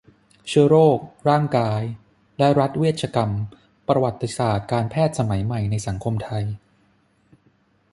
เชื้อโรค ร่างกาย และรัฐเวชกรรม ประวัติศาสตร์การแพทย์สมัยใหม่ในสังคมไทย